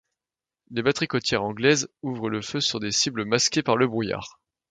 Les batteries côtières anglaises ouvrent le feu sur des cibles masquées par le brouillard.